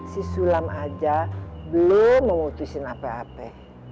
si sulam aja belum memutusin ap apa apa